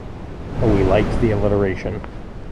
We liked the alliteration.